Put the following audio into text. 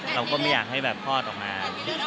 เราก็ไม่อยากให้แบบคลอดออกมา